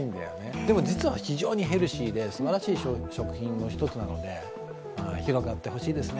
でも、実は非常にヘルシーですばらしい食品の１つなので広がってほしいですね。